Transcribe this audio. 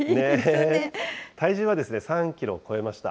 体重は３キロを超えました。